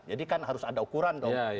jadi kan harus ada ukuran dong